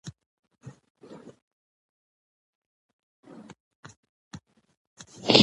سړک د عراده جاتو د تګ راتګ لپاره افقي ساختمان دی